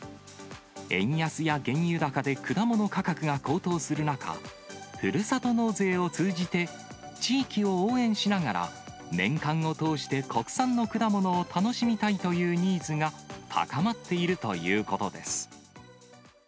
円安や原油高で果物価格が高騰する中、ふるさと納税を通じて、地域を応援しながら年間を通して国産の果物を楽しみたいというニーズが高まっているということです。